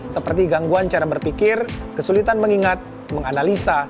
seperti gangguan cara berpikir kesulitan mengingat menganalisa